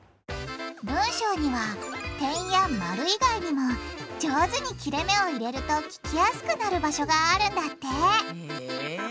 文章には点や丸以外にも上手に切れめを入れると聞きやすくなる場所があるんだってへぇ。